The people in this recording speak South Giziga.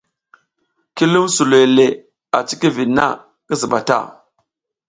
Ki lum suloy le a cikiviɗ na, ki ziɓa ta.